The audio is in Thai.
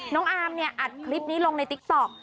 อามเนี่ยอัดคลิปนี้ลงในติ๊กต๊อก